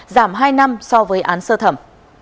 giảm hai năm so với án sơ thẩm